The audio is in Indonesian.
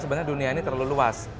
sebenarnya dunia ini terlalu luas